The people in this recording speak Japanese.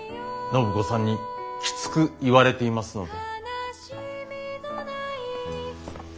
暢子さんにきつく言われていますので。